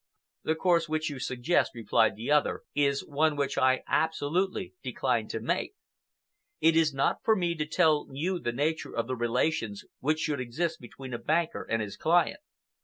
"The course which you suggest," replied the other, "is one which I absolutely decline to take. It is not for me to tell you the nature of the relations which should exist between a banker and his client.